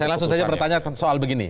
saya langsung saja bertanya soal begini